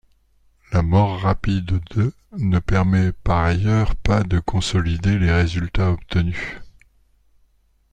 La mort rapide de ne permet par ailleurs pas de consolider les résultats obtenus.